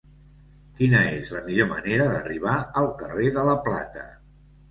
Quina és la millor manera d'arribar al carrer de la Plata?